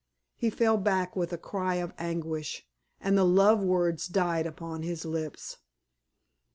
He fell back with a cry of anguish, and the love words died upon his lips.